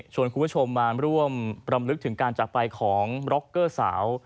คุณผู้ชมมาร่วมรำลึกถึงการจากไปของร็อกเกอร์สาว